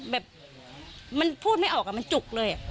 แบบมันพูดไม่ออกมันจุกเลย